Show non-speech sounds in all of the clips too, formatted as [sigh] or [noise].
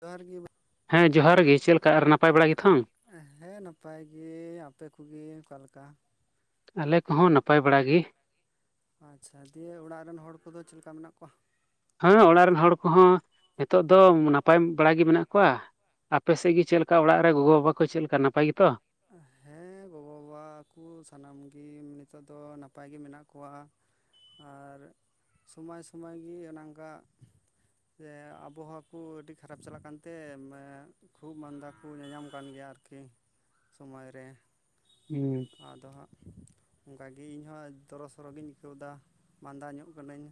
ᱡᱚᱦᱟᱨ ᱜᱮ ᱦᱮᱸ ᱡᱚᱦᱟᱨ ᱜᱮ ᱪᱮᱫ ᱞᱮᱠᱟ ᱟᱨ ᱱᱟᱯᱟᱭ ᱵᱟᱲᱟ ᱜᱮᱛᱚ ᱦᱮᱸ ᱱᱟᱯᱟᱭ ᱜᱮ ᱟᱯᱮ ᱠᱚᱜᱮ ᱚᱠᱟᱞᱮᱠᱟ ᱟᱞᱮ ᱠᱚᱦᱚᱸ ᱱᱟᱯᱟᱭ ᱵᱟᱲ‌ᱟᱜᱮ ᱟᱪᱪᱷᱟ ᱫᱤᱭᱮ ᱚᱲᱟᱜ ᱨᱮᱱ ᱦᱚᱲ ᱠᱚᱫᱚ ᱪᱮᱫ ᱞᱮᱠᱟ ᱢᱮᱱᱟᱜ ᱠᱚᱣᱟ ᱦᱮᱸ ᱚᱲᱟᱜ ᱨᱮᱱ ᱦᱚᱲ ᱠᱚᱦᱚᱸ ᱱᱤᱛᱚᱜ ᱫᱚ ᱱᱟᱯᱟᱭ ᱵᱟᱲᱟ ᱜᱮ ᱢᱮᱱᱟᱜ ᱠᱚᱣᱟ ᱟᱯᱮᱥᱮᱫ ᱜᱮ ᱪᱮᱫ ᱞᱮᱠᱟ ᱚᱲᱟᱜ ᱨᱮ ᱜᱚᱜᱚ ᱵᱟᱵᱟ ᱠᱚ ᱪᱮᱫ ᱞᱮᱠᱟ ᱱᱟᱯᱟᱭ ᱜᱮᱛᱚ ᱦᱮᱸ ᱜᱚᱜᱚ ᱵᱟᱵᱟ ᱠᱚ ᱥᱟᱱᱟᱢ ᱜᱮ ᱱᱤᱛᱚᱜ ᱫᱚ ᱱᱟᱯᱟᱭ ᱜᱮ ᱢᱮᱱᱟᱜ ᱠᱚᱣᱟ ᱟᱨ ᱥᱚᱢᱟᱭ ᱥᱚᱢᱟᱭ ᱜᱮ ᱚᱱᱮ ᱚᱱᱠᱟ ᱥᱮ ᱟᱵᱚᱦᱟᱣᱟ ᱠᱚ ᱟᱹᱰᱤ ᱠᱷᱟᱨᱟᱯ ᱪᱟᱞᱟᱜ ᱠᱟᱱᱛᱮ ᱠᱷᱩᱜ ᱢᱟᱸᱫᱟ ᱠᱚ ᱧᱟᱧᱟᱢ ᱠᱟᱱ ᱜᱮᱭᱟ ᱟᱨᱠᱤ ᱥᱚᱢᱚᱭ ᱨᱮ ᱦᱩᱸ ᱟᱫᱚ ᱦᱟᱜ ᱚᱱᱠᱟᱜᱮ ᱤᱧᱦᱚᱸ ᱫᱚᱨᱚᱥᱚᱨᱚ ᱜᱤᱧ ᱟᱹᱭᱠᱟᱹᱣᱫᱟ ᱢᱟᱸᱫᱟ ᱧᱚᱜ ᱠᱟᱹᱱᱟᱹᱧ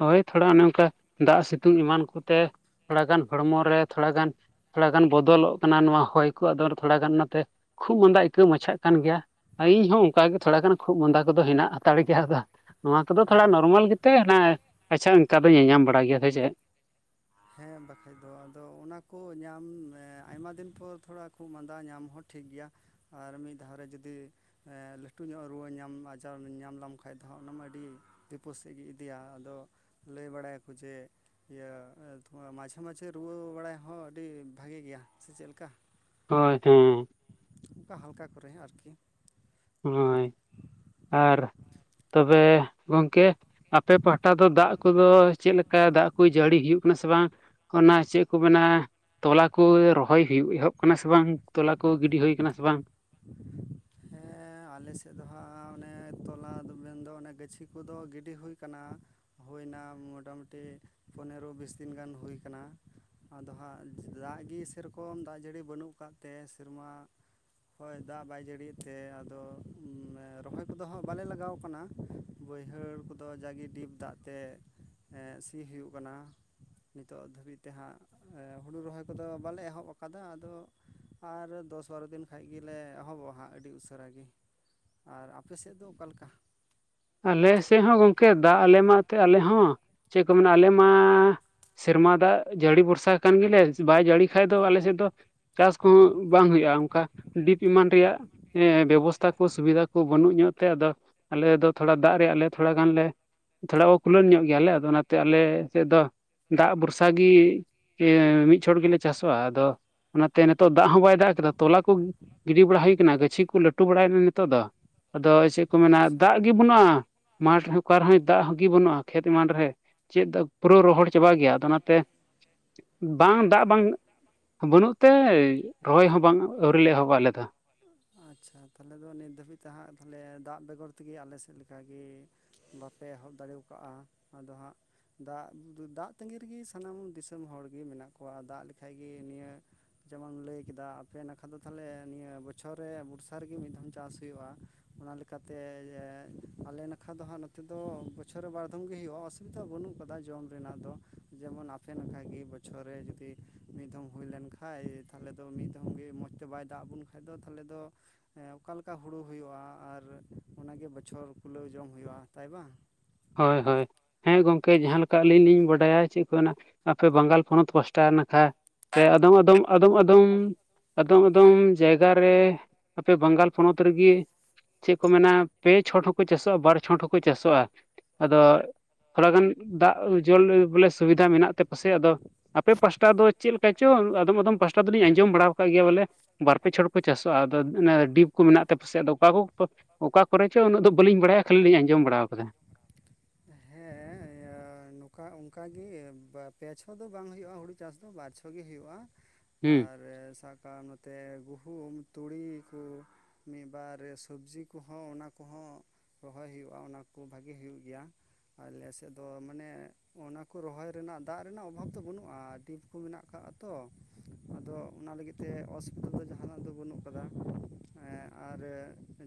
ᱚ ᱦᱳᱭ ᱛᱷᱚᱲᱟ ᱚᱱᱮ ᱚᱱᱠᱟ ᱫᱟᱜ ᱥᱤᱛᱩᱝ ᱮᱢᱟᱱ ᱠᱚᱛᱮ ᱛᱷᱚᱲᱟᱜᱟᱱ ᱦᱚᱲᱢᱚ ᱨᱮ ᱛᱷᱚᱲᱟᱜᱟᱱ ᱛᱷᱚᱲᱟ ᱜᱟᱱ ᱵᱚᱫᱚᱞᱚᱜ ᱠᱟᱱᱟ ᱱᱚᱣᱟ ᱦᱚᱭ ᱠᱚ ᱟᱫᱚ ᱛᱷᱚᱲᱟ ᱜᱟᱱ ᱚᱱᱟᱛᱮ ᱠᱷᱩᱜ ᱢᱟᱸᱫᱟ ᱟᱹᱭᱠᱟᱹᱣ ᱢᱟᱪᱷᱟᱜ ᱠᱟᱱ ᱜᱮᱭᱟ ᱤᱧ ᱦᱚᱸ ᱚᱱᱠᱟᱜᱮ ᱛᱷᱚᱲᱟ ᱜᱟᱱ ᱠᱷᱩᱜ ᱢᱟᱸᱫᱟ ᱠᱚᱫᱚ ᱦᱮᱱᱟᱜ ᱦᱟᱛᱟᱲ ᱜᱮᱭᱟ ᱟᱫᱚ ᱱᱚᱣᱟ ᱠᱚᱫᱚ ᱛᱷᱚᱲᱟ ᱱᱚᱨᱢᱟᱞ ᱜᱮᱛᱮ ᱚᱱᱟ ᱟᱪᱪᱷᱟ ᱚᱱᱠᱟ ᱫᱚ ᱧᱮᱞᱧᱟᱢ ᱵᱟᱲᱟᱭ ᱜᱮᱭᱟ ᱥᱮ-ᱪᱮᱫ ᱦᱮᱸ ᱵᱟᱠᱷᱟᱡ ᱫᱚ ᱟᱫᱚ ᱚᱱᱟ ᱠᱚ ᱧᱟᱢ ᱟᱭᱢᱟ ᱫᱤᱱ ᱯᱚᱨ ᱛᱷᱚᱲᱟ ᱠᱷᱩᱜ ᱢᱟᱸᱫᱟ ᱧᱟᱢ ᱦᱚᱸ ᱴᱷᱤᱠ ᱜᱮᱭᱟ ᱟᱨ ᱢᱤᱫ ᱫᱷᱟᱣ ᱨᱮ ᱡᱩᱫᱤ ᱦᱮ ᱞᱟᱹᱴᱩ ᱧᱚᱜ ᱨᱩᱣᱟᱹ ᱧᱟᱢ ᱟᱡᱟᱨ ᱧᱟᱢ ᱞᱮᱢ ᱠᱷᱟᱡ ᱫᱚ ᱦᱟᱸᱜ ᱚᱱᱟ ᱢᱟ ᱟᱹᱰᱤ ᱵᱤᱯᱟᱫ ᱥᱮᱫ ᱜᱮ ᱤᱫᱤᱭᱟ ᱟᱫᱚ ᱞᱟᱹᱭ ᱵᱟᱲᱟᱭᱟᱠᱚ ᱡᱮ ᱤᱭᱟᱹ ᱛᱚ ᱢᱟᱡᱷᱮ ᱢᱟᱡᱷᱮ ᱨᱩᱣᱟᱹ ᱵᱟᱲᱟᱭ ᱦᱚᱸ ᱟᱹᱰᱤ ᱵᱷᱟᱜᱮ ᱜᱮᱭᱟ ᱥᱮ ᱪᱮᱫ ᱞᱮᱠᱟ ᱦᱳᱭ ᱦᱮᱸ ᱚᱱᱠᱟ ᱦᱟᱞᱠᱟ ᱠᱚᱨᱮ ᱟᱨᱠᱤ ᱦᱳᱭ ᱟᱨ ᱛᱚᱵᱮ ᱜᱚᱢᱠᱮ ᱟᱯᱮ ᱯᱟᱦᱴᱟ ᱫᱚ ᱫᱟᱜ ᱠᱚᱫᱚ ᱪᱮᱫ ᱞᱮᱠᱟ ᱫᱟᱜ ᱠᱚ ᱡᱟᱹᱲᱤ ᱦᱩᱭᱩᱜ ᱠᱟᱱᱟ ᱥᱮ ᱵᱟᱝ ᱚᱱᱟ ᱪᱮᱫ ᱠᱚ ᱵᱮᱱᱟᱜ-ᱟ ᱛᱚᱞᱟ ᱠᱚ ᱨᱚᱦᱚᱭ ᱦᱩᱭᱩᱜ ᱮᱦᱚᱵ ᱠᱟᱱᱟ ᱥᱮ ᱵᱟᱝ ᱛᱚᱞᱟ ᱠᱚ ᱜᱤᱰᱤ ᱦᱩᱭᱩ ᱠᱟᱱᱟ ᱥᱮ ᱵᱟᱝ [inaudible] ᱦᱮᱸ ᱟᱞᱮᱥᱮᱫ ᱫᱚ ᱦᱟᱸᱜ ᱚᱱᱮ ᱛᱚᱞᱟ ᱩᱰᱩᱠ ᱞᱮᱱ ᱫᱚ ᱚᱱᱮ ᱜᱟᱹᱪᱷᱤ ᱠᱚᱫᱚ ᱜᱤᱰᱤ ᱦᱩᱭ ᱟᱠᱟᱱᱟ ᱦᱩᱭ ᱮᱱᱟ ᱢᱳᱴᱟᱢᱩᱴᱤ ᱯᱚᱱᱮᱨᱚ ᱵᱤᱥ ᱫᱤᱱ ᱜᱟᱱ ᱦᱩᱭ ᱟᱠᱟᱱᱟ ᱟᱫᱚ ᱦᱟᱸᱜ ᱫᱟᱜ ᱜᱮ ᱥᱮᱨᱚᱠᱚᱢ ᱫᱟᱜ ᱡᱟᱹᱲᱤ ᱵᱟᱹᱱᱩᱜ ᱟᱠᱟᱫ ᱛᱮ ᱥᱮᱨᱢᱟ ᱦᱚᱭ ᱫᱟᱜ ᱵᱟᱭ ᱡᱟᱹᱲᱤᱭᱮᱫ ᱛᱮ ᱟᱫᱚ ᱨᱚᱦᱚᱭ ᱠᱚᱫᱚ ᱦᱟᱸᱜ ᱵᱟᱞᱮ ᱞᱟᱜᱟᱣ ᱠᱟᱱᱟ ᱵᱟᱹᱭᱦᱟᱹᱲ ᱠᱚᱫᱚ ᱡᱟᱜᱮ ᱰᱤᱵ ᱫᱟᱜ ᱛᱮ ᱟ.... ᱥᱤ ᱦᱩᱭᱩᱜ ᱠᱟᱱᱟ ᱱᱤᱛᱚᱜ ᱫᱷᱟᱹᱵᱤᱡ ᱛᱮ ᱦᱟᱸᱜ ᱟ.. ᱦᱩᱲᱩ ᱨᱚᱦᱚᱭ ᱠᱚᱫᱚ ᱵᱟᱞᱮ ᱮᱦᱚᱵ ᱟᱠᱟᱫᱟ ᱟᱫᱚ ᱟᱨ ᱫᱚᱥ ᱵᱟᱨᱚ ᱫᱤᱱ ᱠᱷᱟᱡ ᱜᱮ ᱞᱮ ᱮᱦᱚᱵᱚᱜᱼᱟ ᱦᱟᱸᱜ ᱟᱹᱰᱤ ᱟᱹᱰᱤ ᱩᱥᱟᱹᱨᱟ ᱜᱤ, ᱟᱨ ᱟᱯᱮ ᱥᱮᱫ ᱫᱚ ᱚᱠᱟ ᱞᱮᱠᱟ?? ᱟᱞᱮ ᱥᱮᱫ ᱦᱚᱸ ᱜᱚᱢᱠᱮ ᱫᱟᱜ ᱟᱞᱮ ᱢᱟ ᱮᱱᱛᱮᱫ ᱟᱞᱮ ᱦᱚᱸ ᱪᱮᱫ ᱠᱚ ᱢᱮᱱᱟ ᱟᱞᱮ ᱢᱟ ᱥᱮᱨᱢᱟ ᱫᱟᱜ ᱡᱟᱹᱲᱤ ᱵᱷᱚᱨᱥᱟ ᱠᱟᱱ ᱜᱮᱞᱮ ᱵᱟᱭ ᱡᱟᱹᱲᱤ ᱠᱷᱟᱡ ᱫᱚ ᱟᱞᱮ ᱥᱮᱫ ᱫᱚ ᱪᱟᱥ ᱠᱚᱦᱚᱸ ᱵᱟᱝ ᱦᱩᱭᱩᱜᱼᱟ ᱚᱱᱠᱟ ᱰᱤᱯ ᱮᱢᱟᱱ ᱨᱮᱭᱟᱜ ᱮᱸ ᱵᱮᱵᱚᱥᱛᱷᱟ ᱠᱚ ᱥᱩᱵᱤᱫᱷᱟ ᱠᱚ ᱵᱟᱹᱱᱩᱜ ᱧᱚᱜ ᱛᱮ ᱟᱫᱚ ᱟᱞᱮ ᱫᱚ ᱛᱷᱚᱲᱟ ᱫᱟᱜ ᱨᱮᱭᱟᱜ ᱞᱮ ᱛᱷᱚᱲᱟ ᱜᱟᱱ ᱞᱮ ᱛᱷᱚᱲᱟ ᱚ-ᱠᱷᱩᱞᱟᱹᱱ ᱧᱚᱜ ᱜᱮᱭᱟᱞᱮ ᱟᱫᱚ ᱚᱱᱟᱛᱮ ᱟᱞᱮ ᱥᱮᱫ ᱫᱚ ᱫᱟᱜ ᱵᱷᱚᱨᱥᱟ ᱜᱮ ᱮ.. ᱢᱤᱫ ᱪᱷᱚᱴ ᱜᱤ ᱞᱮ ᱪᱟᱥᱚᱜᱼᱟ ᱟᱫᱚ ᱚᱱᱟᱛᱮ ᱱᱤᱛᱳᱜ ᱫᱟᱜ ᱦᱚᱸ ᱵᱟᱭ ᱫᱟᱜ ᱠᱮᱫᱟ ᱛᱚᱞᱟ ᱠᱚ ᱜᱤᱰᱤ ᱵᱟᱲᱟ ᱦᱩᱭ ᱟᱠᱟᱱᱟ ᱜᱪᱷᱤ ᱠᱚ ᱞᱟᱹᱴᱩ ᱵᱟᱲᱟᱭ ᱱᱟ ᱛᱚᱜ ᱫᱚ ᱟᱫᱚ ᱪᱮᱫ ᱠᱚ ᱢᱮᱱᱟ ᱫᱟᱜ ᱜᱤ ᱵᱟᱹᱱᱩᱜᱼᱟ ᱢᱟᱴᱷ ᱨᱮ ᱚᱠᱟ ᱨᱮᱦᱚᱸᱭ ᱫᱟᱜ ᱦᱚᱸᱤ ᱵᱟᱹᱱᱩᱜᱼᱟ ᱠᱷᱮᱛ ᱮᱢᱟᱱ ᱨᱮ ᱪᱮᱫ ᱫᱚ ᱯᱩᱨᱟᱹ ᱨᱚᱦᱚᱲ ᱪᱟᱵᱟ ᱜᱮᱭᱟ ᱟᱫᱚ ᱚᱱᱟᱛᱮ ᱵᱟᱝ ᱫᱟᱜ ᱵᱟᱝ ᱵᱟᱹᱱᱩᱜ ᱛᱮ ᱨᱚᱦᱚᱭ ᱦᱚᱸ ᱵᱟᱝ ᱟᱹᱣᱨᱤ ᱞᱮ ᱮᱦᱚᱵᱟ ᱟᱞᱮ ᱫᱚ ᱟᱪᱪᱷᱟ ᱛᱟᱦᱞᱮ ᱫᱚ ᱱᱤᱛ ᱫᱷᱟᱹᱵᱤᱡ ᱦᱟᱸᱜ ᱛᱟᱦᱞᱮ ᱫᱟᱜ ᱵᱮᱜᱚᱨ ᱛᱮᱜᱮ ᱟᱞᱮ ᱥᱮᱫ ᱞᱮᱠᱟᱜᱮ ᱵᱟᱯᱮ ᱮᱦᱚᱵ ᱫᱟᱲᱮ ᱣᱟᱠᱟᱜᱼᱟ ᱟᱫᱚ ᱦᱟᱸᱜ ᱫᱟᱜ ᱫᱟᱜ ᱛᱟᱺᱜᱤ ᱨᱮᱜᱮ ᱥᱟᱱᱟᱢ ᱫᱤᱥᱚᱢ ᱦᱚᱲ ᱜᱮ ᱢᱮᱱᱟᱜ ᱠᱚᱣᱟ ᱫᱟᱜ ᱞᱮᱠᱷᱟᱡ ᱜᱮ ᱱᱤᱭᱟᱹ ᱡᱮᱢᱚᱱ ᱞᱟᱹᱭ ᱠᱮᱫᱟ ᱟᱯᱮ ᱱᱟᱠᱷᱟ ᱫᱚ ᱛᱟᱦᱚᱞᱮ ᱱᱤᱭᱟᱹ ᱵᱚᱪᱷᱚᱨ ᱨᱮ ᱵᱚᱨᱥᱟ ᱨᱮᱜᱮ ᱢᱤᱫ ᱫᱷᱟᱚᱢ ᱪᱟᱥ ᱦᱩᱭᱩᱜᱼᱟ ᱚᱱᱟ ᱞᱮᱠᱟᱛᱮ ᱟᱞᱮ ᱱᱟᱠᱷᱟ ᱫᱚ ᱦᱟᱸᱜ ᱱᱚᱛᱮ ᱫᱚ ᱵᱚᱪᱷᱚᱨ ᱨᱮ ᱵᱟᱨᱫᱚᱢ ᱜᱮ ᱦᱩᱭᱩᱜᱼᱟ ᱥᱩᱵᱤᱫᱷᱟ ᱵᱟᱹᱱᱩᱜ ᱟᱠᱟᱫᱟ ᱡᱚᱢ ᱨᱮᱱᱟᱜ ᱫᱚ ᱡᱮᱢᱚᱱ ᱟᱟᱯᱮ ᱱᱠᱷᱟ ᱜᱮ ᱵᱚᱪᱷᱚᱨ ᱨᱮ ᱡᱩᱫᱤ ᱢᱤᱫ ᱫᱚᱢ ᱦᱩᱭ ᱞᱮᱱ ᱠᱷᱟᱱ ᱠᱷᱟᱡ ᱛᱟᱦᱚᱞᱮ ᱫᱚ ᱢᱤᱫ ᱫᱷᱚᱢ ᱜᱮ ᱢᱚᱡᱽ ᱛᱮ ᱵᱟᱭ ᱫᱟᱜ ᱟᱵᱚᱱ ᱠᱷᱟᱱ ᱫᱚ ᱛᱟᱦᱚᱞᱮ ᱫᱚ ᱦᱮ ᱚᱠᱟᱞᱮᱠᱟ ᱦᱩᱲᱩ ᱦᱩᱭᱩᱜᱼᱟ ᱟᱨ ᱚᱱᱟᱜᱮ ᱵᱚᱪᱷᱚᱨ ᱠᱩᱞᱟᱹᱣ ᱡᱚᱢ ᱦᱩᱭᱩᱜᱼᱟ ᱛᱟᱭ ᱵᱟᱝ ᱦᱳᱭ ᱦᱳᱭ ᱦᱮᱸ ᱜᱚᱝᱠᱮ ᱡᱟᱦᱟᱸ ᱞᱮᱠᱟ ᱟᱹᱞᱤᱧ ᱞᱤᱧ ᱵᱟᱰᱟᱭᱟ ᱪᱮᱫ ᱠᱚ ᱢᱮᱱᱟ ᱟᱯᱮ ᱵᱟᱝᱜᱟᱞ ᱯᱚᱱᱚᱛ ᱯᱟᱥᱴᱟ ᱱᱟᱠᱷᱟ ᱾ ᱦᱮᱸ ᱟᱫᱚᱢ, ᱟᱫᱚᱢ, ᱟᱫᱚᱢ, ᱟᱫᱚᱢ ᱾ ᱟᱫᱚᱢ ᱟᱫᱚᱢ ᱡᱟᱭᱜᱟ ᱨᱮ, ᱟᱯᱮ ᱵᱟᱝᱜᱟᱞ ᱯᱚᱱᱚᱛ ᱨᱤᱜᱤ ᱾ ᱪᱮᱫ ᱠᱚ ᱢᱮᱱᱟ ᱯᱮ ᱪᱷᱚᱴ ᱦᱚᱸᱠᱚ ᱪᱟᱥᱚᱜᱼᱟ ᱵᱟᱨ ᱪᱷᱚᱴ ᱦᱚᱸᱠᱚ ᱪᱟᱥᱚᱜᱼᱟ ᱟᱫᱚ ᱾ ᱛᱷᱚᱲᱟ ᱜᱟᱱ ᱫᱟᱜ ᱡᱚᱞ ᱵᱚᱞᱮ ᱥᱩᱵᱤᱫᱷᱟ ᱢᱮᱱᱟᱜ ᱛᱮ ᱯᱟᱥᱮᱡ ᱟᱫᱚ ᱾ ᱟᱯᱮ ᱯᱟᱥᱴᱟ ᱫᱚ ᱪᱮᱫ ᱞᱮᱠᱟ ᱪᱚᱝ ᱟᱫᱚᱢ ᱟᱫᱚᱢ ᱯᱟᱥᱴᱟ ᱫᱩᱞᱤᱧ ᱟᱸᱡᱚᱢ ᱵᱟᱲᱟ ᱟᱠᱟᱫ ᱜᱮᱭᱟ ᱵᱚᱞᱮ ᱵᱟᱨ ᱯᱮ ᱪᱷᱚᱲ ᱪᱟᱥᱚᱜᱼᱟ ᱟᱫᱚ ᱚᱱᱮ ᱰᱤᱯ ᱠᱚ ᱢᱮᱱᱟᱜ ᱛᱟᱯᱮᱥᱮ ᱟᱫᱚ ᱚᱠᱟ [unintelligible] ᱚᱠᱟ ᱠᱚᱨᱮ ᱪᱚ ᱩᱱᱟᱹᱜ ᱫᱚ ᱵᱟᱹᱞᱤᱧ ᱵᱟᱲᱟᱭᱟ ᱠᱷᱟᱹᱞᱤ ᱞᱤᱧ ᱟᱸᱡᱚᱢ ᱵᱟᱲᱟᱣ ᱟᱠᱟᱫᱟ ᱦᱮᱸᱻ ᱱᱚᱠᱟ ᱚᱱᱠᱟᱜᱤ ᱯᱮ ᱪᱷᱚ ᱫᱚ ᱵᱟᱝ ᱦᱩᱭᱩᱜᱼᱟ ᱦᱩᱲᱩ ᱪᱟᱥ ᱫᱚ ᱵᱟᱨᱪᱷᱚ, ᱵᱷᱟᱜᱮ ᱦᱩᱭᱩᱜᱼᱟ ᱦᱩᱸ ᱟᱨ ᱥᱟᱵ ᱠᱟᱜᱼᱟᱢ ᱱᱚᱛᱮ ᱜᱩᱦᱩᱢ ᱛᱩᱲᱤ ᱠᱩ ᱫᱟᱨᱮ ᱥᱚᱵᱡᱽᱤ ᱠᱚᱦᱚᱸ ᱚᱱᱟ ᱠᱚᱦᱚᱸ ᱨᱚᱦᱚᱭ ᱦᱩᱭᱩᱜᱼᱟ ᱚᱱᱟ ᱠᱚ ᱵᱷᱟᱜᱤ ᱦᱩᱭᱩᱜ ᱜᱮᱭᱟ ᱾ ᱟᱞᱮᱥᱮᱫ ᱫᱚ ᱢᱟᱱᱮ ᱚᱱᱟ ᱠᱚ ᱨᱚᱦᱚᱭ ᱨᱮᱱᱟᱜ ᱫᱟᱜ ᱨᱮᱱᱟᱜ ᱚᱵᱷᱟᱵᱽ ᱫᱚ ᱵᱟᱹᱱᱩᱜᱼᱟ ᱰᱤᱯ ᱠᱚ ᱢᱮᱱᱟᱜ ᱟᱠᱟᱜᱼᱟ ᱛᱚ ᱟᱫᱚ ᱚᱱᱟ ᱞᱟᱹᱜᱤᱫ ᱛᱮ ᱚᱫᱩᱱᱤᱫᱷᱟ ᱫᱚ ᱡᱟᱦᱟᱸᱱᱟᱜ ᱫᱚ ᱵᱟᱹᱱᱩᱜ ᱟᱠᱟᱫᱟ ᱟᱨ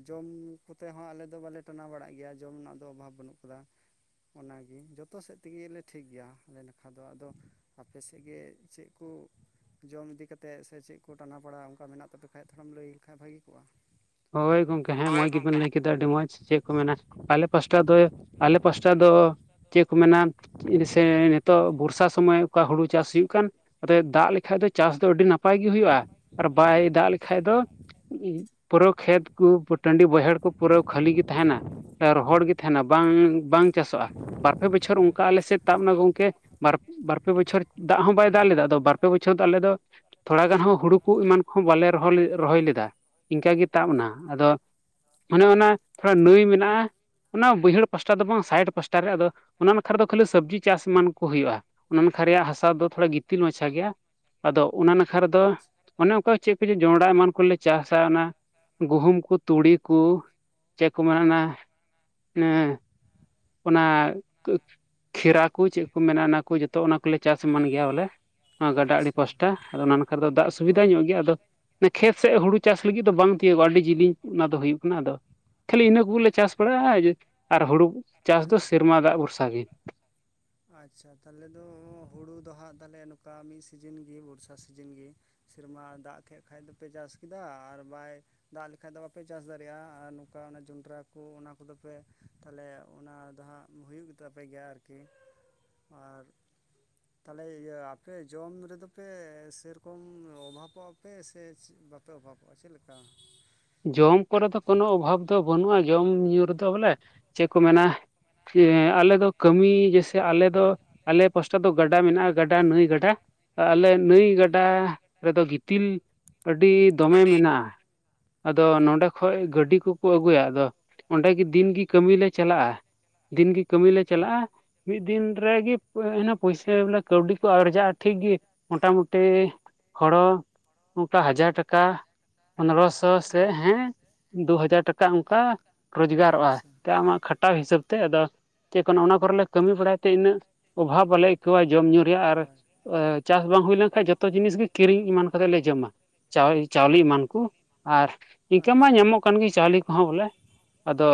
ᱡᱚᱢ ᱧᱩ ᱠᱚᱛᱮ ᱦᱚᱸ ᱟᱞᱮ ᱫᱚ ᱵᱟᱞᱮ ᱴᱟᱱᱟᱣ ᱵᱟᱲᱟᱜ ᱜᱮᱭᱟ, ᱡᱚᱢ ᱨᱮᱱᱟᱜ ᱫᱚ ᱚᱵᱷᱟᱵᱽ ᱵᱟᱹᱱᱩᱜ ᱠᱟᱫᱟ ᱾ ᱚᱱᱟᱜᱤ ᱡᱚᱛᱚ ᱥᱮᱫ ᱛᱮᱜᱮᱞ ᱞᱮ ᱴᱷᱤᱠ ᱜᱮᱭᱟ ᱟᱞᱮ ᱱᱟᱠᱷᱟ ᱫᱚ ᱾ ᱟᱯᱮ ᱥᱮᱫ ᱜᱮ ᱪᱮᱫ ᱠᱚ? ᱡᱚᱢ ᱤᱫᱤ ᱠᱟᱛᱮᱫ ᱥᱮ ᱪᱮᱫ ᱠᱚ ᱴᱟᱱᱟ ᱯᱟᱲᱟ ᱚᱱᱠᱟ ᱢᱮᱱᱟᱜ ᱛᱟᱯᱮ ᱠᱷᱟᱡ ᱛᱷᱚᱲᱟᱢ ᱞᱟᱹᱭ ᱠᱷᱟᱡ ᱵᱷᱟᱹᱜᱤ ᱠᱚᱜᱼᱟ ᱾ ᱦᱳᱭ ᱜᱚᱢᱠᱮ ᱦᱮᱸ ᱢᱚᱡᱽ ᱵᱤᱱ ᱞᱟᱸᱭ ᱾ ᱠᱮᱫᱟ ᱟᱹᱰᱤ ᱢᱚᱡᱽ ᱪᱮᱫ ᱠᱚ ᱢᱮᱱᱟ ᱟᱞᱮ ᱯᱟᱥᱴᱟ ᱫᱚ ᱟᱞᱮ ᱯᱟᱥᱴᱟ ᱫᱚ ᱪᱮᱫ ᱠᱚ ᱢᱮᱱᱟ ᱾ ᱤᱰᱥᱮ ᱱᱤᱛᱚᱜ ᱵᱚᱨᱥᱟ ᱥᱩᱢᱚᱭ ᱚᱠᱟ ᱦᱩᱲᱩᱜ ᱪᱟᱥ ᱦᱩᱭᱩᱜ ᱠᱟᱱ, ᱟᱨᱮ ᱫᱟᱜ ᱠᱷᱟᱡ ᱫᱚ ᱪᱟᱥ ᱫᱚ ᱟᱹᱰᱤ ᱱᱟᱯᱟᱭ ᱜᱮ ᱦᱩᱭᱩᱜᱼᱟ ᱟᱨ ᱵᱟᱭ ᱫᱟᱜ ᱞᱮᱠᱟᱡ ᱫᱚ [unintelligible] ᱠᱷᱮᱛ ᱠᱚ ᱯᱩ ᱴᱟᱺᱰᱤ ᱵᱟᱹᱭᱦᱟᱹᱲ ᱠᱚ ᱯᱩᱨᱟᱹ ᱠᱷᱟᱹᱞᱤ ᱜᱮ ᱛᱟᱦᱮᱱᱟ ᱾ ᱨᱚᱦᱚᱲ ᱜᱮ ᱛᱟᱦᱮᱱᱟ ᱵᱟᱝ ᱵᱟᱝ ᱪᱟᱥᱚᱜᱼᱟ ᱵᱟᱨ ᱯᱮ ᱵᱚᱪᱷᱚᱨ ᱚᱱᱠᱟ ᱟᱞᱮ ᱥᱮᱫ ᱛᱟᱵᱱᱟ ᱜᱚᱢᱠᱮ ᱾ ᱵᱟᱨᱯᱮ ᱵᱚᱪᱷᱚᱨ ᱫᱟᱜ ᱦᱚᱸ ᱵᱟᱭ ᱫᱟᱜ ᱞᱮᱫᱟ ᱾ᱟᱫᱚ ᱵᱟᱨ ᱯᱮ ᱵᱚᱪᱷᱚᱨ ᱟᱞᱮ ᱫᱚ ᱛᱷᱚᱲᱟ ᱜᱟᱱ ᱦᱚᱸ ᱦᱩᱲᱩ ᱠᱚ ᱮᱢᱟᱱ ᱠᱚᱦᱚᱸ ᱵᱟᱞᱮ [unintelligible] ᱨᱚᱦᱚᱭ ᱞᱮᱫᱟ ᱾ ᱤᱱᱠᱟᱹ ᱜᱮ ᱛᱟᱵ ᱱᱟ ᱟᱫᱚ ᱚᱱᱮ ᱚᱱᱟ ᱠᱷᱚᱱ ᱱᱟᱹᱭ ᱢᱮᱱᱟᱜᱼᱟ ᱾ ᱚᱱᱟ ᱵᱟᱹᱭᱦᱟᱹᱲ ᱯᱟᱥᱴᱟ ᱫᱚ ᱵᱟᱝ ᱥᱟᱭᱮᱰ ᱯᱟᱥᱴᱟ ᱨᱮ ᱟᱫᱚ ᱚᱱᱟ ᱱᱟᱠᱷᱟ ᱫᱚ ᱠᱷᱟᱹᱞᱤ ᱥᱚᱵᱽᱡᱤ ᱪᱟᱥ ᱮᱢᱟᱱ ᱠᱚ ᱦᱩᱭᱩᱜᱼᱟ ᱾ ᱚᱱᱟ ᱱᱟᱠᱷᱟ ᱨᱮᱭᱟᱜ ᱦᱟᱥᱟ ᱫᱚ, ᱛᱷᱚᱲᱟ ᱜᱤᱛᱤᱞ ᱢᱟᱪᱷᱟ ᱜᱮᱭᱟ ᱾ ᱟᱫᱚ ᱚᱱᱟ ᱱᱟᱠᱷᱟ ᱨᱮᱫᱚ, ᱚᱱᱮ ᱚᱱᱠᱟ ᱪᱮᱫ ᱠᱚᱪᱚ ᱡᱚᱱᱰᱨᱟ ᱮᱢᱟᱱ ᱠᱚᱞᱮ ᱪᱟᱥ ᱪᱷᱟ ᱚᱱᱟ ᱜᱩᱦᱩᱢ ᱠᱚ ᱛᱩᱲᱤ ᱠᱚ ᱪᱮᱫᱠᱚ ᱢᱮᱱᱟ ᱚᱱᱟ ᱚᱱᱮ ᱚᱱᱟ ᱠᱷᱮᱨᱟ ᱠᱚ ᱪᱮᱫ ᱠᱚ ᱢᱮᱱᱟ ᱚᱱᱟ ᱠᱚ ᱡᱚᱛᱚ ᱚᱱᱟ ᱠᱚᱞᱮ ᱪᱟᱥ ᱮᱢᱟᱱ ᱜᱮᱭᱟ ᱵᱚᱞᱮ ᱾ ᱚᱱᱟ ᱜᱟᱰᱟ ᱟᱹᱲᱤ ᱯᱟᱥᱴᱟ ᱟᱫᱚ ᱚᱱᱟ ᱱᱟ‌ᱠᱷᱟᱨᱮ ᱫᱚ ᱫᱟᱜ ᱥᱩᱵᱤᱫᱟ ᱧᱚᱜ ᱜᱮᱭᱟ ᱟᱫᱚ ᱾ [unintelligible] ᱠᱷᱮᱛ ᱥᱮᱫ ᱦᱩᱲᱩ ᱪᱟᱥ ᱞᱟᱹᱜᱤᱫ ᱫᱚ ᱵᱟᱝ ᱛᱤᱭᱳᱜᱚᱜᱼᱟ ᱟᱹᱰᱤ ᱡᱮᱞᱮᱧ ᱚᱱᱟ ᱫᱚ ᱦᱩᱭᱩᱜ ᱠᱟᱱᱟ ᱟᱫᱚ, ᱠᱷᱟᱹᱞᱤ ᱤᱱᱟᱹ ᱠᱚᱜᱮᱞᱮ ᱪᱟᱥ ᱵᱟᱲᱟᱜᱼᱟ ᱟᱨ ᱦᱩᱲᱩ ᱪᱟᱥ ᱫᱚ ᱥᱮᱨᱢᱟ ᱫᱟᱜ ᱵᱷᱚᱨᱥᱟ ᱜᱮ, ᱟᱪᱪᱷᱟ ᱛᱟᱦᱚᱞᱮ ᱫᱚ ᱦᱩᱲᱩ ᱫᱚ ᱦᱟᱸᱜ ᱛᱟᱦᱚᱞᱮ ᱱᱚᱝᱠᱟ ᱢᱤᱫ ᱥᱤᱡᱤᱱᱜᱤ ᱵᱚᱨᱥᱟ ᱥᱤᱡᱤᱱᱜᱤ ᱥᱮᱨᱢᱟ ᱫᱟᱜ ᱟᱛᱮ ᱠᱷᱟᱡ ᱫᱚᱯᱮ ᱪᱟᱥ ᱠᱮᱫᱟ ᱟᱨ ᱵᱟᱭ, ᱫᱟᱜ ᱞᱮᱠᱷᱟᱡ ᱫᱚ ᱵᱟᱯᱮ ᱪᱟᱥ ᱫᱟᱲᱮᱭᱟᱜᱼᱟ ᱾ ᱟᱨ ᱱᱚᱝᱠᱟ ᱡᱚᱱᱰᱨᱟ ᱠᱚ ᱚᱱᱟ ᱠᱚᱫᱚ ᱯᱮ ᱛᱟᱦᱚᱞᱮ ᱚᱱᱟ ᱫᱚ ᱦᱟᱸᱜ, ᱦᱩᱭᱩᱜ ᱜᱮ ᱛᱟᱯᱮ ᱜᱮᱭᱟ ᱟᱨᱠᱤ? ᱟᱨ ᱛᱟᱦᱚᱞᱮ ᱤᱭᱟᱹ ᱟᱯᱮ ᱡᱚᱢ ᱨᱮᱼᱫᱚ ᱯᱮ ᱥᱮᱨᱚᱠᱚᱢ ᱚᱵᱷᱟᱵᱚᱜᱼᱟ ᱯᱮ ᱥᱮᱫ ᱵᱟᱯ ᱵᱟᱯᱮ ᱚᱵᱷᱟᱵᱚᱜᱼᱟ ᱪᱮᱫ ᱞᱮᱠᱟ? ᱡᱚᱢ ᱠᱚᱨᱮ ᱫᱚ ᱠᱳᱱᱳ ᱚᱵᱷᱟᱵ ᱫᱚ ᱵᱟᱹᱱᱩᱜᱼᱟ, ᱡᱚᱢ ᱧᱩ ᱨᱮᱫᱚ ᱵᱚᱞᱮ ᱪᱮᱫ ᱠᱚ ᱢᱮᱱᱟ ᱾ ᱮ ᱟᱞᱮ ᱫᱚ ᱠᱟᱹᱢᱤ ᱡᱮᱭᱥᱮ ᱟᱞᱮ ᱫᱚ ᱟᱞᱮ ᱯᱟᱥᱴᱟ ᱫᱚ ᱜᱟᱰᱟ ᱢᱮᱱᱟᱜᱼᱟ, ᱜᱟᱰᱟ ᱱᱟᱹᱭ ᱜᱟᱰᱟ ᱟᱞᱮ ᱱᱟᱹᱭ ᱜᱟᱰᱟ ᱨᱮᱫᱚ ᱜᱤᱛᱤᱞ ᱟᱹᱰᱤ ᱫᱚᱢᱮ ᱟᱹᱰᱤ ᱢᱮᱱᱟᱜᱼᱟ ᱾ ᱟᱫᱚ ᱱᱚᱸᱰᱮ ᱠᱷᱚᱡ ᱜᱟᱹᱰᱤ ᱠᱚᱠᱚ ᱟᱹᱜᱩᱭᱟ ᱟᱫᱚ ᱚᱸᱰᱮᱜᱤ ᱫᱤᱱᱜᱤ ᱠᱟᱹᱢᱤ ᱞᱮ ᱪᱟᱞᱟᱜᱼᱟ ᱾ ᱫᱤᱱᱜᱤ ᱠᱟᱹᱢᱤ ᱞᱮ ᱪᱟᱞᱟᱜᱼᱟ ᱾ ᱢᱤᱫ ᱫᱤᱱ ᱨᱮᱜᱮ ᱤᱱᱟᱹ ᱯᱩᱭᱥᱟᱹ ᱵᱚᱞᱮ ᱠᱟᱹᱣᱰᱤ ᱠᱚ ᱟᱨᱡᱟᱜᱼᱟ ᱴᱷᱤᱠᱜᱤ, ᱢᱚᱴᱟᱢᱩᱴᱤ ᱦᱚᱲᱚ ᱱᱚᱝᱠᱟ ᱦᱟᱡᱟᱨ ᱴᱟᱠᱟ ᱯᱚᱱᱨᱚᱥ ᱥᱚ ᱥᱮᱫ ᱦᱮᱸ ᱫᱩ ᱦᱟᱡᱟᱨ ᱴᱟᱠᱟ ᱚᱱᱠᱟ ᱨᱚᱡᱽᱜᱟᱨᱚᱜᱼᱟ ᱮᱱᱛᱮ ᱟᱢᱟᱜ ᱠᱷᱟᱴᱟᱣ ᱦᱤᱥᱟᱹᱵ ᱛᱮ ᱟᱫᱚ ᱪᱮᱫ ᱠᱚᱱᱚ ᱚᱱᱟ ᱠᱚᱨᱮᱞᱮ ᱠᱟᱹᱢᱤ ᱵᱟᱲᱟᱭ ᱛᱮ ᱤᱱᱟᱹᱜ ᱚᱵᱷᱟᱵᱽ ᱵᱟᱞᱮ ᱟᱹᱭᱠᱟᱹᱣᱟ ᱡᱚᱢᱧᱩ ᱨᱮᱭᱟᱜ ᱟᱨ ᱟᱮ... ᱪᱟᱥ ᱵᱟᱝ ᱦᱩᱭ ᱞᱮᱱᱠᱷᱟᱡ ᱡᱚᱛᱚ ᱡᱤᱱᱤᱥ ᱜᱮ ᱠᱤᱨᱤᱧ ᱮᱢᱟᱱ ᱠᱟᱛᱮᱜ ᱞᱮ ᱡᱚᱢᱟ ᱫᱟᱣ... ᱪᱟᱣᱞᱮ ᱮᱢᱟᱱ ᱠᱚ ᱟᱨ ᱤᱱᱠᱟᱹ ᱢᱟ ᱧᱟᱢᱚᱜ ᱠᱟᱱ ᱜᱮ ᱪᱟᱣᱞᱮ ᱠᱚᱦᱚᱸ ᱵᱚᱞᱮ ᱟᱫᱚ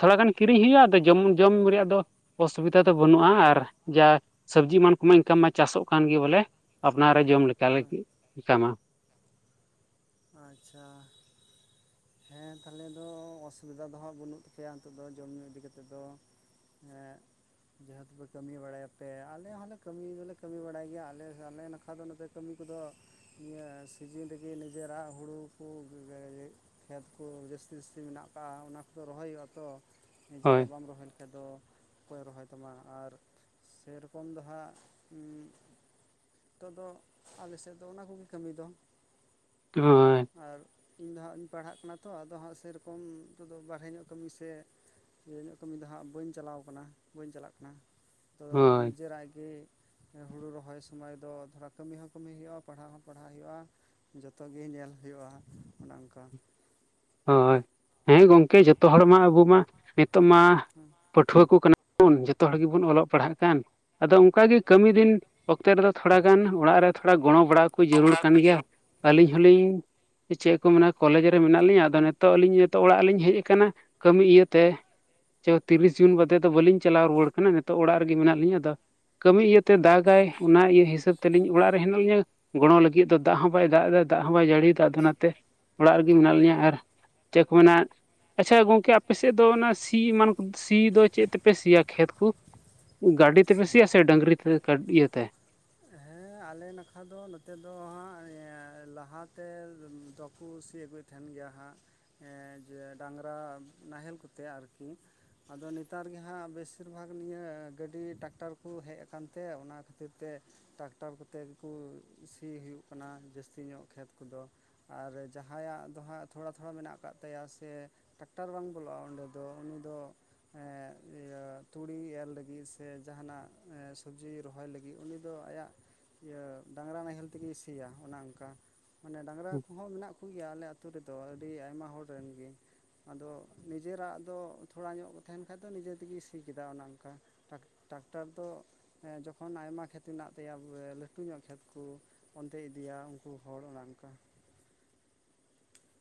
ᱛᱷᱚᱲᱟ ᱜᱟᱱ ᱠᱤᱨᱤᱧ ᱦᱩᱭᱩᱜᱼᱟ ᱟᱫᱚ ᱡᱚᱢ ᱡᱚᱢ ᱨᱮᱭᱟᱜ ᱫᱚ ᱚᱥᱩᱵᱤᱫᱟ ᱫᱚ ᱵᱟᱹᱱᱩᱜᱼᱟ ᱟᱨ ᱡᱟ ᱥᱚᱵᱽᱡᱤ ᱮᱢᱟᱱ ᱠᱚᱢᱟ ᱤᱱᱠᱟᱢ ᱢᱟ ᱪᱟᱥᱚᱜ ᱠᱟᱱᱜᱮ ᱵᱚᱞᱮ ᱟᱯᱱᱟᱨ ᱨᱮ ᱡᱚᱢ ᱞᱮᱠᱟ ᱞᱟᱜᱤᱫ ᱠᱟᱱᱟ ᱟᱪᱪᱷᱟ ᱦᱮᱸ ᱛᱟᱦᱚᱞᱮ ᱫᱚ ᱚᱥᱩᱵᱤᱫᱷᱟ ᱫᱚ ᱦᱟᱸᱜ ᱵᱟᱹᱱᱩᱜ ᱛᱟᱯᱮᱭᱟ ᱱᱤᱛᱚᱜ ᱫᱚ ᱡᱚᱢ ᱧᱩ ᱤᱫᱤ ᱠᱟᱛᱮᱫ ᱫᱚ ᱦᱮ ᱡᱟᱦᱟ ᱫᱚᱯᱮ ᱠᱟᱹᱢᱤ ᱵᱟᱲᱟᱭ ᱟᱯᱮ ᱟᱞᱮ ᱦᱚᱸᱞᱮ ᱠᱟᱹᱢᱤ ᱫᱚᱞᱮ ᱠᱟᱹᱢᱤ ᱵᱟᱲᱟᱭ ᱜᱮᱭᱟ ᱟᱞᱮ ᱟᱞᱮ ᱱᱟᱠᱷᱟ ᱫᱚ ᱱᱚᱛᱮ, ᱠᱟᱹᱢᱤ ᱠᱚᱫᱚ ᱱᱤᱭᱟᱹᱹ ᱥᱤᱡᱤᱱ ᱨᱮᱜᱮ ᱱᱤᱡᱮᱨᱟᱜ ᱦᱩᱲᱩ ᱠᱚ [unintelligible] ᱠᱷᱮᱛ ᱠᱚ ᱡᱟᱹᱥᱛᱤ ᱡᱟᱹᱥᱛᱤ ᱢᱮᱱᱟᱜ ᱠᱟᱜᱼᱟ ᱚᱱᱟ ᱠᱚᱫᱚ ᱨᱚᱦᱚᱭ ᱦᱩᱭᱩᱜᱼᱟ, ᱛᱚ ᱦᱳᱭ ᱱᱤᱡᱮᱨᱟᱜ ᱵᱟᱢ ᱨᱚᱦᱚᱭ ᱫᱚ ᱚᱠᱚᱭ ᱨᱚᱦᱚᱭ ᱛᱟᱢᱟ ᱟᱨ ᱥᱮᱨᱚᱠᱚᱢ ᱫᱚ ᱦᱟᱸᱜ ᱩᱸ.... ᱱᱤᱛᱚᱜ ᱫᱚ ᱟᱞᱮᱥᱮᱫ ᱫᱚ ᱚᱱᱟ ᱠᱚᱜᱮ ᱠᱟᱹᱢᱤ ᱫᱚ [unintelligible] ᱟᱨ ᱤᱧ ᱫᱚ ᱦᱟᱸᱜ ᱤᱧ ᱯᱟᱲᱦᱟᱜ ᱠᱟᱱᱟ ᱛᱚ ᱟᱫᱚ ᱦᱟᱸᱜ ᱥᱮᱭᱨᱚᱠᱚᱢ ᱱᱤᱛᱚᱜ ᱫᱚ ᱵᱟᱨᱦᱮ ᱧᱚᱜ ᱠᱟᱹᱢᱤ ᱥᱮᱫ ᱤᱭᱟᱹ ᱧᱚᱜ ᱠᱟᱹᱢᱤ ᱫᱚᱦᱟᱸᱜ ᱵᱟᱹᱧ ᱪᱟᱞᱟᱣ ᱟᱠᱟᱱᱟ ᱵᱟᱹᱧ ᱪᱟᱞᱟᱜ ᱠᱟᱱᱟ ᱛᱚ ᱦᱳᱭ ᱱᱤᱡᱮᱨᱟᱜ ᱜᱮ ᱦᱩᱲᱩ ᱨᱚᱦᱚᱭ ᱥᱚᱢᱚᱭ ᱫᱚ ᱛᱷᱚᱲᱟ ᱠᱟᱹᱢᱤ ᱦᱚᱸ ᱠᱟᱹᱢᱤ ᱦᱩᱭᱩᱜᱼᱟ ᱯᱟᱲᱦᱟᱣ ᱦᱚᱸ ᱯᱟᱲᱦᱟᱣ ᱦᱩᱭᱩᱜᱼᱟ ᱡᱚᱛᱚ ᱜᱮ ᱧᱮᱞ ᱦᱩᱭᱩᱜᱼᱟ ᱚᱱᱮ ᱚᱱᱠᱟ ᱦᱳᱭ ᱦᱮᱸ ᱜᱚᱢᱠᱮ ᱡᱚᱛᱚ ᱦᱚᱲ ᱢᱟ ᱟᱵᱚ ᱢᱟ ᱱᱤᱛᱚᱜ ᱢᱟ [unintelligible] ᱯᱟᱹᱴᱷᱩᱭᱟᱹ ᱠᱚ ᱠᱟᱱᱟ ᱵᱚᱱ ᱡᱚᱛᱚ ᱦᱚᱲ ᱜᱮᱵᱚᱱ ᱚᱞᱚᱜ ᱯᱟᱲᱦᱟᱜ ᱠᱟᱱ ᱟᱫᱚ ᱚᱱᱠᱟ ᱜᱮ ᱠᱟᱹᱢᱤ ᱫᱤᱱ ᱚᱠᱛᱮ ᱨᱮᱫᱚ ᱛᱷᱚᱲᱟ ᱜᱟᱱ ᱚᱲᱟᱜ ᱨᱮ ᱛᱷᱚᱲᱟ ᱜᱚᱲᱚ ᱵᱟᱲᱟ ᱠᱚ ᱡᱟᱹᱨᱩᱲ ᱵᱚᱲᱟ ᱠᱟᱱ ᱠᱚ ᱜᱮᱭᱟ ᱡᱟᱹᱨᱩᱲ ᱟᱹᱞᱤᱧ ᱦᱚᱞᱤᱧ ᱪᱮᱫ ᱠᱚ ᱢᱮᱱᱟ ᱠᱚᱞᱮᱡᱽ ᱨᱮ ᱢᱮᱱᱟᱜ ᱞᱤᱧᱟ ᱟᱫᱚ ᱱᱤᱛᱚᱜ ᱟᱹᱞᱤᱧ ᱱᱤᱛᱚᱜ ᱚᱲᱟᱜ ᱨᱮᱞᱤᱧ ᱦᱮᱡ ᱟᱠᱟᱱᱟ ᱠᱟᱹᱢᱤ ᱤᱭᱟᱹᱛᱮ ᱪᱚ ᱛᱤᱨᱤᱥ ᱡᱩᱱ ᱵᱟᱫᱮ ᱫᱚ ᱵᱟᱹᱞᱤᱧ ᱪᱟᱞᱟᱣ ᱨᱩᱣᱟᱹᱲ ᱠᱟᱱᱟ ᱱᱤᱛᱚᱜ ᱚᱲᱟᱜ ᱨᱮᱜᱮ ᱢᱮᱱᱟᱜ ᱞᱤᱧ ᱟᱫᱚ ᱠᱟᱹᱢᱤ ᱤᱭᱟᱹᱛᱮ ᱫᱟᱜᱟᱭ ᱚᱱᱟ ᱤᱭᱟᱹ ᱦᱤᱥᱟᱹᱵ ᱛᱮᱞᱤᱧ ᱚᱲᱟᱜ ᱨᱮ ᱦᱮᱱᱟᱜ ᱞᱤᱧᱟᱹ ᱜᱚᱲᱚ ᱞᱟᱹᱜᱤᱫ ᱫᱚ ᱫᱟᱜ ᱦᱚᱸ ᱵᱟᱭ ᱫᱟᱜ ᱮᱫᱟ ᱫᱟᱜ ᱦᱚᱸ ᱵᱟᱭ ᱡᱟᱹᱲᱤᱭᱫᱟ ᱟᱫᱚ ᱚᱱᱟᱛᱮ ᱚᱲᱟᱜ ᱨᱮᱜᱮ ᱢᱮᱱᱟᱜ ᱞᱤᱧᱟᱹ ᱟᱨ ᱪᱮᱫ ᱠᱚ ᱢᱮᱱᱟ ᱟᱪᱪᱷᱟ ᱜᱚᱝᱠᱮ ᱟᱯᱮᱥᱮᱫ ᱫᱚ ᱚᱱᱟ ᱥᱤ ᱮᱢᱟᱱ ᱠᱚ ᱥᱤ ᱫᱚ ᱪᱮᱫ ᱛᱮᱯᱮ ᱥᱤᱭᱟ ᱠᱷᱮᱛ ᱠᱚ ᱜᱟᱹᱰᱤ ᱛᱮᱯᱮ ᱥᱤ ᱟᱥᱮ ᱰᱟᱝᱨᱤ ᱛᱮ ᱤᱭᱟᱹ ᱛᱮ ᱦᱮᱸ ᱟᱞᱮ ᱱᱟᱠᱷᱟ ᱫᱚ ᱱᱚᱛᱮ ᱫᱚ ᱦᱟᱸᱜ ᱞᱟᱦᱟᱛᱮ ᱫᱚᱠᱚ ᱥᱤ ᱟᱹᱜᱩᱭ ᱴᱷᱮᱱ ᱜᱮᱭᱟ ᱦᱟᱸᱜ ᱰᱟᱝᱨᱟ ᱱᱟᱦᱮᱞ ᱠᱚᱛᱮ ᱟᱨᱠᱤ ᱟᱫᱚ ᱱᱮᱛᱟᱨ ᱜᱮ ᱦᱟᱸᱜ ᱵᱮᱥᱤᱨ ᱵᱷᱟᱜᱽ ᱱᱤᱭᱟᱹ ᱜᱟᱹᱰᱤ ᱴᱟᱠᱴᱟᱨ ᱠᱚ ᱦᱮᱡ ᱟᱠᱟᱱ ᱛᱮ ᱚᱱᱟ ᱠᱷᱟᱹᱛᱤᱨ ᱛᱮ ᱴᱨᱟᱠᱴᱟᱨ ᱠᱚᱛᱮ ᱜᱮᱠᱚ ᱥᱤ ᱦᱩᱭᱩᱜ ᱠᱟᱱᱟ ᱡᱟᱹᱥᱛᱤ ᱧᱚᱜ ᱠᱷᱮᱛ ᱠᱚᱫᱚ ᱟᱨ ᱡᱟᱦᱟᱸᱭᱟᱜ ᱫᱚ ᱦᱟᱸᱜ ᱛᱷᱚᱲᱟ ᱛᱷᱚᱲᱟ ᱢᱮᱱᱟᱜ ᱠᱟᱫ ᱛᱟᱭᱟ ᱥᱮ ᱴᱨᱟᱠᱴᱟᱨ ᱵᱟᱝ ᱵᱚᱞᱚᱜᱼᱟ ᱚᱸᱰᱮ ᱫᱚ ᱩᱱᱤ ᱫᱚ ᱛᱩᱲᱤ ᱮᱨ ᱞᱟᱹᱜᱤᱫ ᱥᱮ ᱡᱟᱦᱟᱱᱟᱜ ᱥᱚᱵᱡᱤ ᱨᱚᱦᱚᱭ ᱞᱟᱹᱜᱤᱫ ᱩᱱᱤ ᱫᱚ ᱟᱭᱟᱜ ᱤᱭᱟᱹ ᱰᱟᱝᱨᱟ ᱱᱟᱦᱮᱞ ᱛᱮᱜᱮ ᱥᱤᱭᱟ ᱚᱱᱮ ᱚᱱᱠᱟ ᱢᱟᱱᱮ ᱰᱟᱝᱨᱟ ᱠᱚᱦᱚᱸ ᱢᱮᱱᱟᱜ ᱠᱚᱜᱮᱭᱟ ᱟᱞᱮ ᱟᱹᱛᱩ ᱟᱛᱳ ᱨᱮᱫᱚ ᱟᱹᱰᱤ ᱟᱭᱢᱟ ᱦᱚᱲ ᱨᱮᱱ ᱜᱮ ᱟᱫᱚ ᱱᱤᱡᱮᱨᱟᱜ ᱫᱚ ᱛᱷᱚᱲᱟ ᱧᱚᱜ ᱠᱚ ᱛᱟᱦᱮᱱ ᱠᱷᱟᱡ ᱫᱚ ᱱᱤᱡᱮ ᱛᱮᱜᱮ ᱥᱤ ᱠᱮᱫᱟ ᱚᱱᱮ ᱚᱱᱠᱟ ᱴᱨᱟᱠᱴᱟᱨ ᱫᱚ ᱡᱚᱠᱷᱚᱱ ᱟᱭᱢᱟ ᱠᱷᱮᱛ ᱦᱮᱱᱟᱜ ᱛᱟᱭᱟ ᱞᱟᱹᱴᱩ ᱧᱚᱜ ᱠᱷᱮᱛ ᱠᱚ ᱚᱱᱛᱮᱭ ᱤᱫᱤᱭᱟ ᱩᱱᱠᱩ ᱦᱚᱲ ᱚᱱᱮ ᱚᱱᱠᱟ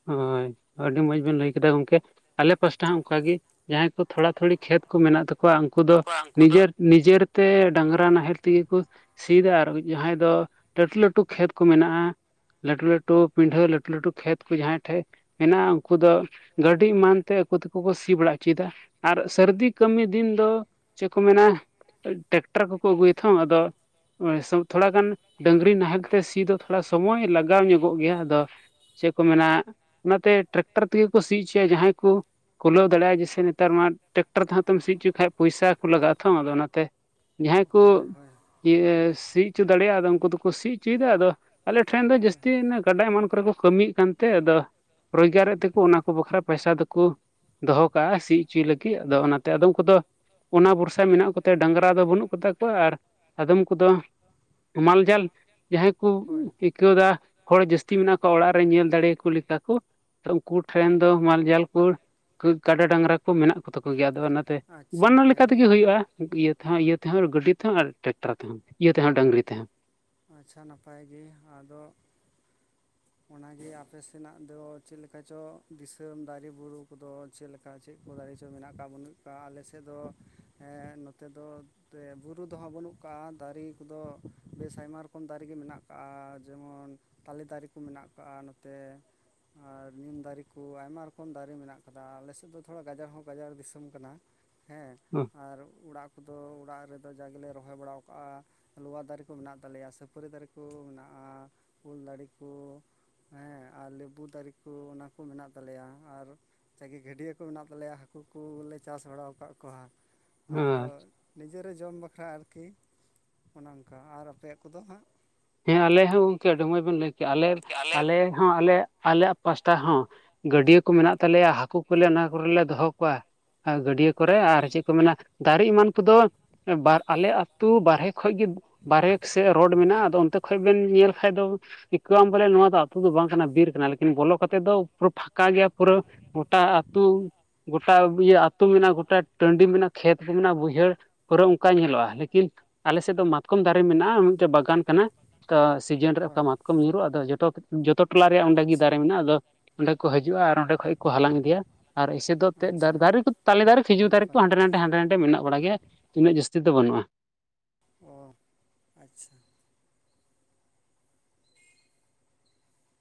ᱦᱳᱭ ᱟᱹᱰᱤ ᱢᱚᱸᱡᱽ ᱵᱮᱱ ᱞᱟᱹᱭ ᱠᱮᱫᱟ ᱜᱚᱝᱠᱮ ᱟᱞᱮ ᱯᱟᱥᱴᱟ ᱦᱚᱸ ᱚᱱᱠᱟᱜ ᱜᱮ ᱡᱟᱦᱟᱸᱭ ᱠᱚ ᱛᱷᱚᱲᱟ ᱛᱷᱩᱲᱤ ᱠᱷᱮᱛ ᱠᱚ ᱢᱮᱱᱟᱜ ᱛᱟᱠᱚᱣᱟ ᱩᱱᱠᱩ ᱫᱚ ᱠᱚᱣᱟ ᱩᱱᱠᱩ ᱫᱚ ᱱᱤᱡᱮᱨ ᱱᱤᱡᱮᱨ ᱛᱮ ᱰᱟᱝᱨᱟ ᱱᱟᱦᱮᱞ ᱛᱮᱜᱮ ᱠᱚ ᱥᱤᱭᱫᱟ ᱟᱨ ᱡᱟᱦᱟᱸᱭ ᱫᱚ ᱞᱟᱹᱴᱩ ᱞᱟᱹᱴᱩ ᱠᱷᱮᱛ ᱠᱚ ᱢᱮᱱᱟᱜᱼᱟ ᱞᱟᱹᱴᱩ, ᱞᱟᱹᱴᱩ ᱯᱤᱰᱷᱟᱹ ᱞᱟᱹᱴᱩ ᱞᱟᱹᱴᱩ ᱠᱷᱮᱛ ᱠᱚ ᱡᱟᱦᱟᱸᱭ ᱴᱷᱮᱡ- ᱦᱮᱱᱟᱜ-ᱟ ᱩᱱᱠᱩ ᱫᱚ ᱜᱟᱹᱰᱤ ᱮᱢᱟᱱᱛᱮ ᱟᱠᱩ ᱛᱮᱠᱚ ᱠᱚ ᱥᱤ ᱵᱟᱲᱟ ᱦᱚᱪᱚᱭᱮᱫᱟᱺ ᱟᱨ ᱥᱟᱹᱨᱫᱤ ᱠᱟᱹᱢᱤ ᱫᱤᱱ ᱫᱚ ᱪᱮᱜ ᱠᱚ ᱢᱮᱱᱟ ᱴᱮᱠᱴᱟᱨ ᱠᱚᱠᱚ ᱟᱹᱜᱩᱭ ᱦᱟᱸᱛᱚ ᱟᱫᱚ ᱛᱷᱚᱲᱟ ᱜᱟᱱ ᱰᱟᱹᱝᱨᱤ ᱱᱟᱦᱮᱞ ᱠᱟᱛᱮ ᱥᱤ ᱫᱚ ᱛᱷᱚᱲᱟ ᱥᱚᱢᱚᱭ ᱞᱟᱜᱟᱣ ᱧᱚᱜᱚᱜ ᱜᱮᱭᱟ ᱟᱫᱚ ᱪᱮᱫ ᱠᱚ ᱢᱮᱱᱟ ᱚᱱᱟᱛᱮ ᱴᱨᱟᱠᱴᱟᱨ ᱛᱮᱜᱮ ᱠᱚ ᱥᱤ ᱚᱪᱚᱭᱟ ᱡᱟᱦᱟᱸᱭ ᱠᱚ ᱠᱩᱞᱟᱹᱣ ᱫᱟᱲᱮᱭᱟᱜᱼᱟ ᱡᱮᱥᱮ ᱱᱮᱛᱟᱨ ᱢᱟ ᱴᱨᱟᱠᱴᱟᱨ ᱛᱮᱦᱚᱸ ᱛᱮᱢ ᱥᱤ ᱦᱚᱪᱚ ᱠᱷᱟᱡ ᱯᱚᱭᱥᱟ ᱠᱚ ᱞᱟᱜᱟᱜᱼᱟ ᱛᱷᱚ ᱟᱫᱚ ᱚᱱᱟᱛᱮ, ᱡᱟᱦᱟᱸᱭ ᱠᱩ ᱤᱭᱟᱹ ᱥᱤ ᱚᱪᱚ ᱫᱟᱲᱮᱭᱟᱜᱼᱟ ᱟᱫᱚ ᱩᱱᱠᱩ ᱫᱚᱠᱚ ᱥᱤ ᱚᱪᱚᱭᱮᱫᱟ ᱟᱫᱚ ᱟᱞᱮ ᱴᱷᱮᱱ ᱫᱚ ᱡᱟᱹᱥᱛᱤ ᱜᱟᱰᱟ ᱮᱢᱟᱱ ᱠᱚᱨᱮ ᱠᱚ ᱠᱟᱹᱢᱤᱭᱮᱜ ᱠᱟᱱᱛᱮ ᱟᱫᱚ ᱨᱳᱡᱽᱜᱟᱨᱮᱫ ᱛᱮᱠᱚ ᱚᱱᱟ ᱠᱚ ᱵᱟᱠᱷᱨᱟ ᱯᱚᱭᱥᱟ ᱫᱚᱠᱩ ᱫᱚᱦᱚ ᱠᱟᱜᱼᱟ ᱥᱤ ᱦᱚᱪᱚᱭ ᱞᱟᱹᱜᱤᱫ ᱟᱫᱚ ᱚᱱᱟᱛᱮ ᱟᱫᱚᱢ ᱠᱚᱫᱚ ᱚᱱᱟ ᱵᱷᱚᱨᱥᱟ ᱢᱮᱱᱟᱜ ᱠᱚᱛᱮ ᱰᱟᱝᱨᱟ ᱫᱚ ᱵᱟᱹᱱᱩᱜ ᱠᱚᱛᱟ ᱠᱚᱣᱟ ᱟᱨ ᱟᱫᱚᱢ ᱠᱚᱫᱚ ᱦᱮᱢᱟᱞ ᱡᱟᱞ ᱡᱟᱦᱟᱸ ᱦᱳᱭ ᱟᱹᱭᱠᱟᱹᱣ ᱫᱟ ᱦᱚᱲ ᱡᱟᱹᱥᱛᱤ ᱢᱮᱱᱟᱜ ᱠᱚ ᱚᱲᱟᱜ ᱨᱮ ᱧᱮᱞ ᱫᱟᱲᱮ ᱠᱩ ᱞᱮᱠᱟ ᱠᱚ ᱩᱱᱠᱩ ᱴᱷᱮᱱ ᱫᱚ ᱢᱟᱞᱡᱟᱞ ᱠᱩᱲ ᱠᱟᱰᱟ ᱰᱟᱝᱨᱟ ᱠᱚ ᱢᱮᱱᱟᱜ ᱠᱚᱛᱟ ᱠᱚ ᱜᱮᱭᱟ ᱟᱫᱚ ᱚᱱᱟᱛᱮ ᱵᱟᱱᱟᱨ ᱞᱮᱠᱟ ᱛᱮᱜᱮ ᱦᱩᱭᱩᱜᱼᱟ ᱾ ᱤᱭᱟᱹ ᱛᱮᱦᱚᱸ ᱤᱭᱟᱹ ᱛᱮᱦᱚᱸ ᱜᱟᱹᱰᱤ ᱛᱮᱦᱚᱸ ᱟᱨ ᱴᱮᱠᱴᱟᱨ ᱛᱮᱦᱚᱸ ᱤᱭᱟᱹ ᱛᱮᱦᱚᱸ ᱰᱟᱹᱝᱨᱤ ᱛᱮᱦᱚᱸ ᱾ ᱟᱪᱪᱷᱟ ᱱᱟᱯᱟᱭ ᱜᱮ ᱟᱫᱚ ᱚᱱᱟᱜᱮ ᱟᱯᱮ ᱥᱮᱱᱟᱜ ᱫᱚ ᱪᱮᱫ ᱞᱮᱠᱟ ᱪᱚ ᱫᱤᱥᱟᱢ ᱫᱟᱨᱮ ᱵᱩᱨᱩ ᱠᱚᱫᱚ ᱪᱮᱫ ᱞᱮᱠᱟ ᱪᱮᱜ ᱠᱚ ᱫᱟᱲᱮ ᱪᱚ ᱢᱮᱱᱟᱜ ᱟᱠᱟᱫ ᱵᱟᱹᱱᱩᱜ ᱠᱚᱫ ᱟᱞᱮ ᱥᱮᱡ ᱫᱚᱸ ᱱᱚᱛᱮ ᱫᱚ ᱛᱮ ᱵᱩᱨᱩ ᱫᱚᱦᱚᱸ ᱵᱟᱹᱱᱩᱜ ᱠᱟᱜᱼᱟ ᱫᱟᱨᱮ ᱠᱚᱫᱚ ᱵᱮᱥ ᱟᱭᱢᱟ ᱨᱚᱠᱚᱢ ᱫᱟᱨᱮ ᱢᱮᱱᱟᱜ ᱠᱟᱜᱼᱟ᱾ ᱡᱮᱢᱚᱱ ᱛᱟᱞᱮ ᱫᱟᱨᱮ ᱠᱚ ᱢᱮᱱᱟᱜ ᱠᱟᱜᱼᱟ ᱱᱚᱛᱮ ᱟᱨ ᱱᱤᱢ ᱫᱟᱨᱮ ᱠᱚ ᱟᱭᱢᱟ ᱨᱚᱠᱚᱢ ᱫᱟᱨᱮ ᱢᱮᱱᱟᱜ ᱟᱠᱟᱫᱟ ᱟᱞᱮ ᱥᱮᱡ ᱫᱚ ᱛᱷᱚᱲᱟ ᱜᱟᱡᱟᱲ ᱦᱚᱸ ᱜᱟᱡᱟᱲ ᱫᱤᱥᱚᱢ ᱠᱟᱱᱟ ᱦᱮᱸ ᱟᱨ ᱚᱲᱟᱜ ᱠᱚᱫᱚ ᱚᱲᱟᱜ ᱨᱮ ᱟᱫᱚ ᱡᱟᱜᱮᱞᱮ ᱨᱚᱦᱚᱭ ᱵᱟᱲᱟ ᱠᱟᱜᱼᱟ ᱞᱚᱣᱟ ᱫᱟᱨᱮ ᱠᱚ ᱢᱮᱱᱟᱜ ᱛᱟᱞᱮᱭᱟ ᱥᱟᱹᱯᱟᱹᱨᱤ ᱫᱟᱨᱮ ᱠᱚ ᱢᱮᱱᱟᱜᱼᱟ ᱩᱞ ᱫᱟᱲᱤ ᱠᱩ ᱦᱮᱸ ᱟᱨ ᱞᱮᱵᱩ ᱫᱟᱨᱮ ᱠᱩ ᱚᱱᱟ ᱠᱩ ᱢᱮᱱᱟᱜ ᱛᱟᱞᱮᱭᱟ ᱟᱨ ᱡᱟᱜᱮ ᱜᱟᱹᱰᱭᱟᱹ ᱠᱚ ᱢᱮᱱᱟᱜ ᱛᱟᱞᱮᱭᱟ ᱦᱟᱹᱠᱩ ᱠᱩ ᱞᱮ ᱪᱟᱥ ᱵᱟᱲᱟ ᱟᱠᱟᱫ ᱠᱚᱣᱟ ᱦᱮᱸ ᱟᱫᱚ ᱱᱤᱡᱮ ᱨᱮ ᱡᱚᱢ ᱵᱟᱠᱷᱨᱟ ᱟᱨᱠᱤ ᱚᱱᱮ ᱚᱱᱠᱟ ᱟᱨ ᱟᱯᱮᱭᱟᱜ ᱠᱚᱫᱚ ᱦᱟᱸᱜ ᱦᱮᱸ ᱟᱞᱮ ᱦᱚᱸ ᱜᱚᱢᱠᱮ ᱟᱰᱤ ᱢᱚᱡᱽ ᱵᱮᱱ ᱞᱟᱹᱭ ᱠᱮᱜᱼᱟ ᱾ ᱟᱞᱮ ᱦᱚᱸ ᱟᱞᱮ ᱟᱞᱮᱭᱟᱜ ᱯᱟᱥᱴᱟ ᱦᱚᱸ ᱜᱟᱹᱰᱭᱟᱹ ᱠᱚ ᱢᱮᱱᱟᱜ ᱛᱟᱞᱮᱭᱟ ᱦᱟᱹᱠᱩ ᱠᱚᱞᱮ ᱚᱱᱟ ᱠᱚᱨᱮᱞᱮ ᱫᱚᱦᱚ ᱠᱚᱣᱟ ᱟ ᱜᱟᱹᱰᱭᱟᱹ ᱠᱚᱨᱮ ᱟᱨ ᱪᱮᱫ ᱠᱚ ᱢᱮᱱᱟ ᱫᱟᱨᱮ ᱮᱢᱟᱱ ᱠᱚᱫᱚ ᱵᱟᱨ ᱟᱞᱮ ᱟᱹᱛᱩ ᱵᱟᱨᱦᱨᱮ ᱠᱷᱚᱡ ᱜᱮ ᱵᱟᱨᱦᱮ ᱥᱮᱡ ᱨᱳᱰ ᱢᱮᱱᱟᱜᱼᱟ ᱟᱫᱚ [unintelligible] ᱠᱷᱚᱡ ᱵᱮᱱ ᱧᱮᱞ ᱠᱷᱟᱡ ᱫᱚ ᱟᱹᱭᱠᱟᱹᱣ ᱟᱢ ᱵᱚᱞᱮ ᱱᱚᱣᱟ ᱫᱚ ᱟᱛᱳ ᱫᱚ ᱵᱟᱝ ᱠᱟᱱᱟ ᱵᱤᱨ ᱠᱟᱱᱟ ᱞᱮᱠᱤᱱ ᱵᱚᱞᱚ ᱠᱟᱛᱮᱫ ᱫᱚ ᱯᱩᱨᱟᱹ ᱯᱷᱟᱸᱠᱟ ᱜᱮᱭᱟ ᱯᱩᱨᱟᱹ ᱜᱚᱴᱟ ᱟᱹᱛᱩ ᱜᱚᱴᱟ ᱤᱭᱟᱹ ᱟᱹᱛᱩ ᱢᱮᱱᱟᱜᱼᱟ ᱜᱚᱴᱟ ᱴᱟᱺᱰᱤ ᱢᱮᱱᱟᱜᱼᱟ᱾ ᱠᱷᱮᱛ ᱢᱮᱱᱟᱜᱼᱟ ᱵᱟᱹᱭᱦᱟᱹᱲ ᱯᱩᱨᱟᱹ ᱚᱱᱠᱟ ᱧᱮᱞᱚᱜᱼᱟ ᱞᱮᱠᱤᱱ- ᱟᱞᱮ ᱥᱮᱡ ᱫᱚ ᱢᱟᱛᱠᱚᱢ ᱫᱟᱨᱮ ᱢᱮᱱᱟᱜᱼᱟ ᱢᱤᱫᱴᱮᱡ ᱵᱟᱜᱟᱱ ᱠᱟᱱᱟ᱾ ᱥᱤᱡᱚᱱ ᱨᱮ ᱚᱠᱟ ᱢᱟᱛᱠᱚᱢ ᱧᱩᱨᱩᱜᱼᱟ ᱟᱫᱚ ᱡᱚᱛᱚ ᱡᱚᱛᱚ ᱴᱚᱞᱟ ᱨᱮᱭᱟᱜ ᱚᱸᱰᱮᱜ ᱜᱮ ᱫᱟᱨᱮ ᱢᱮᱱᱟᱜᱼᱟ ᱟᱫᱚ ᱚᱸᱰᱮ ᱠᱚ ᱦᱟᱡᱩᱜᱼᱟ ᱟᱨ ᱚᱸᱰᱮ ᱠᱷᱚᱡ ᱠᱚ ᱦᱟᱞᱟᱝ ᱤᱫᱤᱭᱟ ᱟᱨ ᱮᱥᱮ ᱫᱚ ᱛᱮᱫ ᱫᱟᱨ ᱫᱟᱨᱮ ᱠᱩ ᱛᱟᱞᱮ ᱫᱟᱨᱮ ᱠᱷᱤᱡᱩᱨ ᱫᱟᱨᱮ ᱠᱩ ᱦᱟᱸᱰᱮ ᱱᱟᱰᱮ ᱦᱟᱸᱰᱮ ᱱᱟᱰᱮ ᱢᱮᱱᱟᱜ ᱵᱟᱲᱟ ᱜᱮᱭᱟ ᱛᱤᱱᱟᱹᱜ ᱡᱟᱹᱥᱛᱤ ᱫᱚ ᱵᱟᱹᱱᱩᱜᱼᱟ ᱚᱻ ᱟᱪᱪᱷᱟ